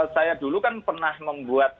saya dulu kan pernah membuat